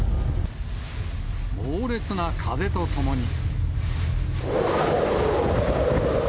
猛烈な風とともに。